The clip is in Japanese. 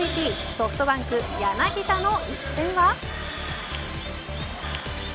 ソフトバンク柳田の一戦は。